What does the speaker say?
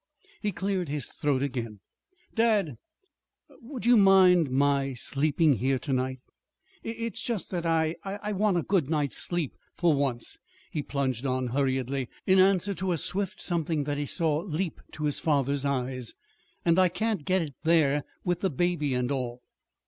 He cleared his throat again. "Dad would you mind my sleeping here to night? It's just that I I want a good night's sleep, for once," he plunged on hurriedly, in answer to a swift something that he saw leap to his father's eyes. "And I can't get it there with the baby and all."